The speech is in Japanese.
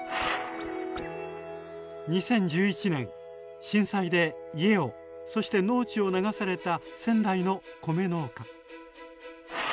２０１１年震災で家をそして農地を流された仙台の米農家。